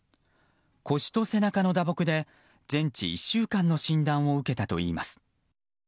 腰と背中の打撲で全治１週間の診断を受けたといいます。